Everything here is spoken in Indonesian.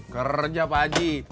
kerja pak haji